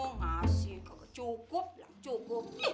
masih kalau cukup bilang cukup